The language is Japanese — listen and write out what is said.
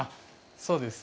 そうです。